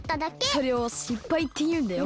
それをしっぱいっていうんだよ。